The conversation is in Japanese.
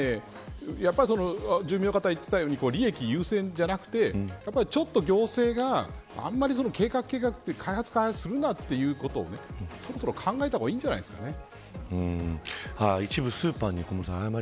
住民の方が言っていたように利益優先じゃなくてちょっと行政があんまり計画、計画と開発、開発するなと考えた方がいいんじゃないですかね。